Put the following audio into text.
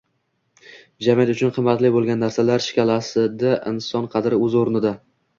jamiyat uchun qimmatli bo‘lgan narsalar shkalasida inson qadri o‘z o‘rnida